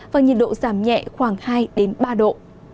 và nhiệt độ giảm nhẹ khoảng hai ba độ